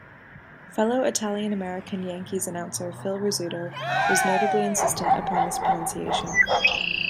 Fellow Italian-American Yankees announcer Phil Rizzuto was notably insistent upon this pronunciation.